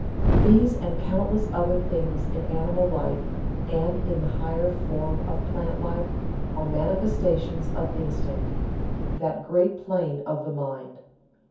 These and countless other things in animal life, and in the higher form of plant life, are manifestations of Instinct that great plane of the mind.